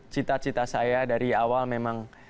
kata saya dari awal memang